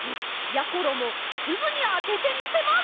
やころもすぐにあててみせます。